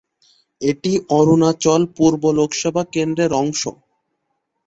এটি অরুণাচল পূর্ব লোকসভা কেন্দ্রের অংশ।